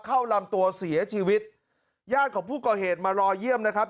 ลำตัวเสียชีวิตญาติของผู้ก่อเหตุมารอเยี่ยมนะครับ